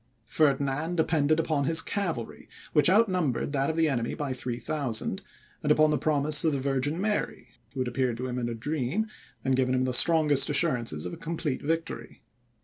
Ferdinand depended upon his cavalry, which outnumbered that of the enemy by 3000, and upon the promise of the Virgin Mary, who had appeared to him in a dream, and given him the strongest assurances of a complete victory.